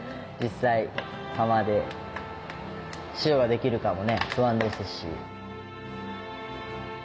実際釜で塩ができるかもね不安ですし。